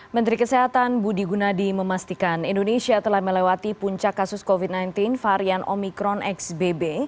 menteri kesehatan budi gunadi memastikan indonesia telah melewati puncak kasus covid sembilan belas varian omikron xbb